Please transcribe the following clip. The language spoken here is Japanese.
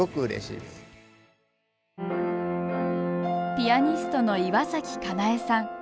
ピアニストの岩崎花奈絵さん。